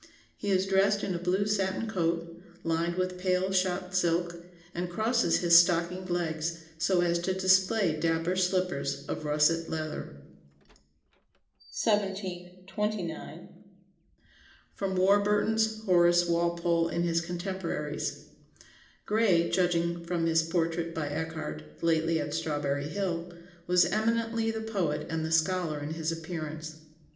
He is dressed in a blue satin coat, lined with pale shot silk, and crosses his stockinged legs so as to display dapper slippers of russet leather." 1729. [Sidenote: Warburton's Horace Walpole and his contemporaries. *] "Gray, judging from his portrait by Echardt, lately at Strawberry Hill, was eminently the poet and the scholar in his appearance.